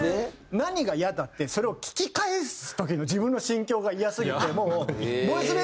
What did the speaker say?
何がイヤだってそれを聞き返す時の自分の心境がイヤすぎてもう。